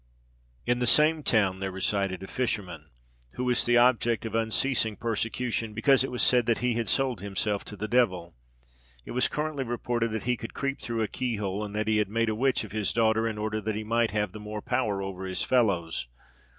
In the same town there resided a fisherman, who was the object of unceasing persecution, because it was said that he had sold himself to the devil. It was currently reported that he could creep through a keyhole, and that he had made a witch of his daughter, in order that he might have the more power over his fellows.